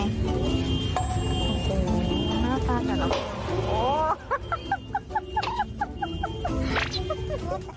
น่ารักจังหรอ